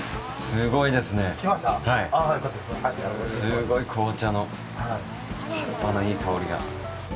すごい紅茶の葉っぱのいい香りが。